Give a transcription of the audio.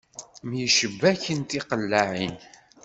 Myecbaken tiqellaɛin.